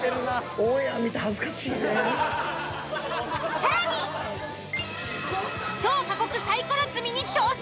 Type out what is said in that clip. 更に超過酷サイコロ積みに挑戦！